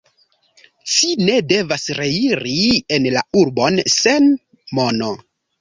Ci ne devas reiri en la urbon sen mono.